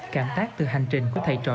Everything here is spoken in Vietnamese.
cảm tác từ hành trình của thầy trò